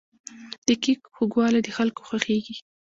د کیک خوږوالی د خلکو خوښیږي.